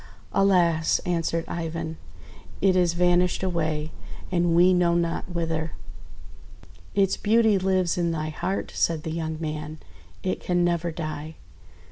"Alas!'1' answered Ivan, "it is vanished away, and we know not whither." "Its beauty lives in thy heart," said the young man. "It can never die!"